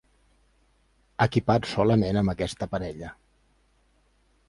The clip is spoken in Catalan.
Equipat solament amb aquesta parella.